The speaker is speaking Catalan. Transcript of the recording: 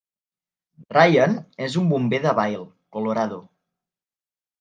Ryan és un bomber de Vail, Colorado.